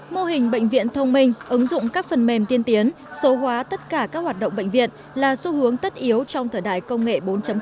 mô hình bệnh viện thông minh ứng dụng các phần mềm tiên tiến số hóa tất cả các hoạt động bệnh viện là xu hướng tất yếu trong thời đại công nghệ bốn